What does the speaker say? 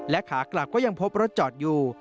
ขากลับก็ยังพบรถจอดอยู่